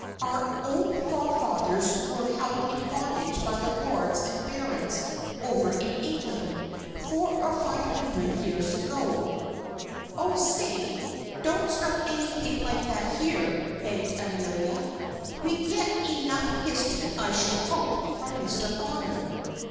Our own forefathers were held in bondage by the lords and barons over in England, four or five hundred years ago." "Oh, say! don't start anything like that here," begged Amelia. "We get enough history I should hope, from Mr. Bonner."